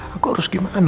aku harus gimana